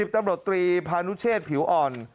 ตำรวจตรีพานุเชษผิวอ่อน